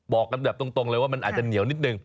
บอกกันแบบตรงเลยว่ามันอาจจะเหนียวนิดนึง